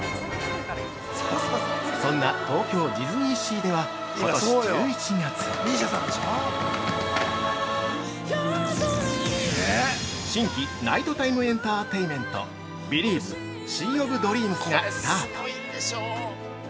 そんな東京ディズニーシーではことし１１月、新規ナイトタイムエンターテイメント「ビリーヴ！シー・オブ・ドリームス」がスタート！